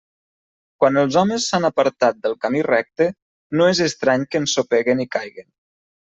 Quan els homes s'han apartat del camí recte, no és estrany que ensopeguen i caiguen.